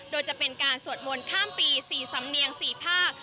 โดยจะเป็นการสวดมนต์ข้ามปี๔สำเนียง๔ภาค